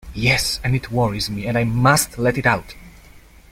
Yes, and it worries me, and I must let it out!